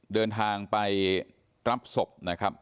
เดินทางไปรับศพนะครับ